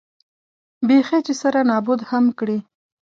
بېخي چې سره نابود هم کړي.